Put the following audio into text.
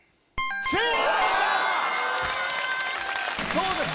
そうです。